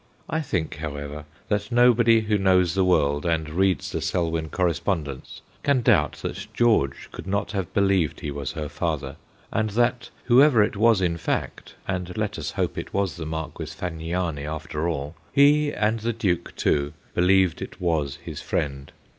I think, however, that nobody who knows the world, and reads the Selwyn correspondence, can doubt that George could not have believed he was her father, and that, whoever it was in fact and let us hope it was the Marquis Fagniani after all he, and the Duke too, believed it was his friend.